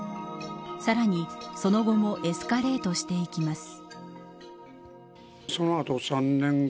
さらに、その後もエスカレートしていきます。